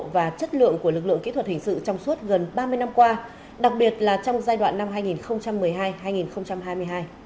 và chất lượng của lực lượng kỹ thuật hình sự trong suốt gần ba mươi năm qua đặc biệt là trong giai đoạn năm hai nghìn một mươi hai hai nghìn hai mươi hai